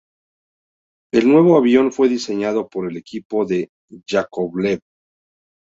El nuevo avión fue diseñado por el equipo de Yakovlev.